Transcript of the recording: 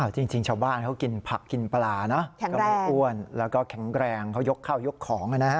จริงชาวบ้านเขากินผักกินปลานะก็ไม่อ้วนแล้วก็แข็งแรงเขายกข้าวยกของนะฮะ